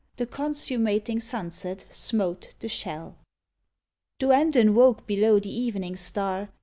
The consummating sunset smote the shell. .. Duandon woke below the evening star.